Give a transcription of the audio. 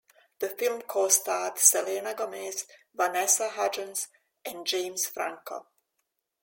The film co-starred Selena Gomez, Vanessa Hudgens, and James Franco.